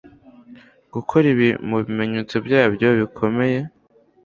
Gukorora biri mu bimenyetso byayo bikomeye.